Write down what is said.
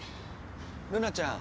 ルナちゃん！